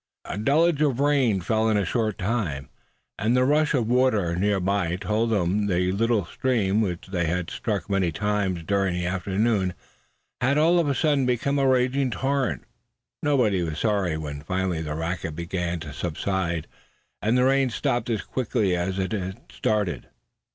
A deluge of rain fell in a short time, and the rush of water near by told that the little stream, which they had struck many times during the afternoon, had all of a sudden become a raging torrent. Nobody was sorry when finally the racket began to subside, and the rain stopped as suddenly as it had started.